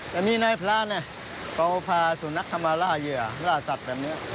แต่มีนายพระเนี่ยเขาพาสุนัขเข้ามาล่าเหยื่อล่าสัตว์แบบนี้